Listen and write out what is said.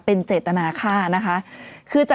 เป็นเจตนาค่านะคะ